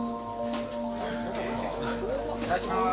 いただきます。